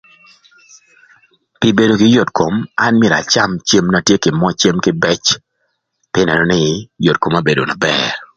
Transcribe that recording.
Pï bedo kï yot kom, an myero acam cem na tye kï moc cem kïbëc pï nënö nï, yot koma obedo na bër.